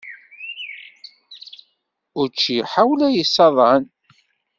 Učči ḥawla yessaḍan.